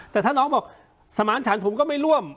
แต่ถ้าน้องก็บอกสมาร์ทชั้นก็ไม่ร่วม